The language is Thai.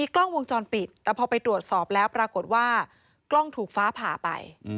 กล้องวงจรปิดแต่ปรากฏว่ากล้องถูกฝาผ่าไป